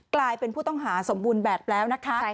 กลายเป็นผู้ต้องหาสมบูรณ์แบบแล้วนะคะ